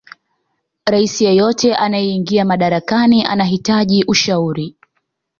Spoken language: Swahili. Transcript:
raisi yeyote anayeingia madarakani anahitaji ushauri